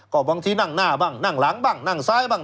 ก็บางทีนั่งหน้าบ้างนั่งหลังบ้างนั่งซ้ายบ้างนั่งขวาบ้าง